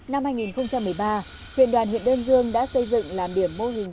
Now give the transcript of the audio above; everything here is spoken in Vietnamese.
năm hai nghìn một mươi ba huyện đoàn huyện đơn dương đã xây dựng làm điểm mô hình